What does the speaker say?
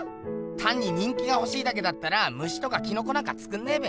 たんに人気がほしいだけだったら虫とかキノコなんかつくんねえべ。